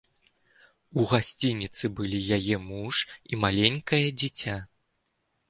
У гасцініцы былі яе муж і маленькае дзіця.